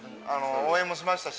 応援もしましたし。